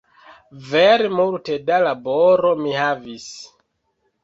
Vere multe da laboro mi havis